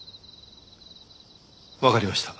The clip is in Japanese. わかりました。